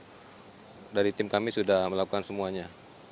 jadi dari tim kami sudah melakukan semuanya